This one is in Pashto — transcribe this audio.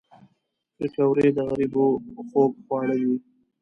پکورې د غریبو خوږ خواړه دي